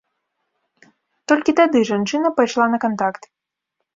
Толькі тады жанчына пайшла на кантакт.